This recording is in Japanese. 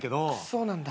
そうなんだ。